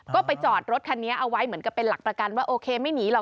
ก็ไปจอดรถคันนี้เอาไว้เหมือนกับเป็นหลักประกันว่าโอเคไม่หนีหรอก